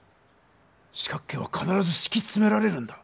四角形はかならずしきつめられるんだ。